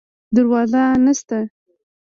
دروازه نشته